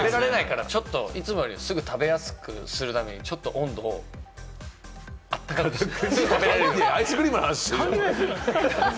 食べられないから、ちょっといつもより食べやすくするために、ちょっと温度を温かくしておく。